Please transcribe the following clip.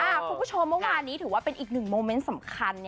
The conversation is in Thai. คุณผู้ชมเมื่อวานนี้ถือว่าเป็นอีกหนึ่งโมเมนต์สำคัญ